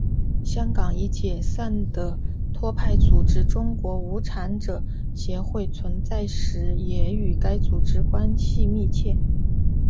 香港已解散的托派组织中国无产者协会存在时也与该组织关系密切。